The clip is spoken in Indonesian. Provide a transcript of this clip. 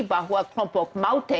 bahwa kelompok maute